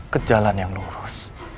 ke jalan yang lurus